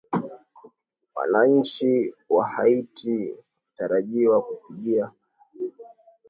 wananchi wa haiti wanatarajia kupiga kura siku ya jumapili kuchagua rais wao